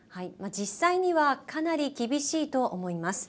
実際にはかなり厳しいと思います。